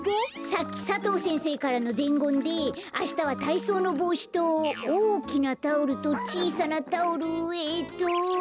さっき佐藤先生からのでんごんであしたはたいそうのぼうしとおおきなタオルとちいさなタオルえっと。